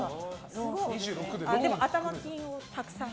でも頭金をたくさん。